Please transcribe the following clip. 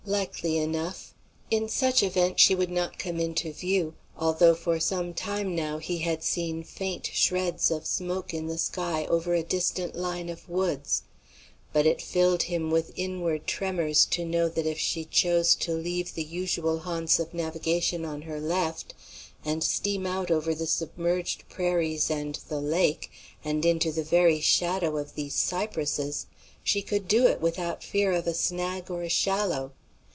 Likely enough. In such event she would not come into view, although for some time now he had seen faint shreds of smoke in the sky over a distant line of woods. But it filled him with inward tremors to know that if she chose to leave the usual haunts of navigation on her left, and steam out over the submerged prairies and the lake, and into the very shadow of these cypresses, she could do it without fear of a snag or a shallow.